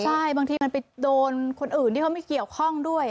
ใช่บางทีมันไปโดนคนอื่นที่เขาไม่เกี่ยวข้องด้วย